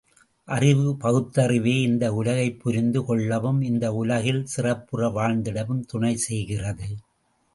அறிவு பகுத்தறிவே இந்த உலகைப்புரிந்து கொள்ளவும் இந்த உலகில் சிறப்புற வாழ்ந்திடவும் துணை செய்கிறது.